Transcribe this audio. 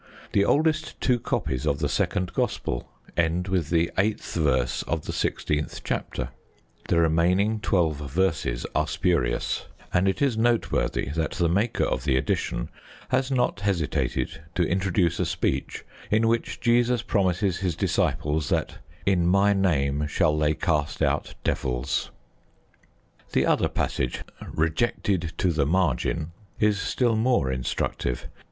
The oldest two copies of the second Gospel end with the eighth verse of the sixteenth chapter; the remaining twelve verses are spurious, and it is noteworthy that the maker of the addition has not hesitated to introduce a speech in which Jesus promises His disciples that "in My name shall they cast out devils." The other passage "rejected to the margin" is still more instructive.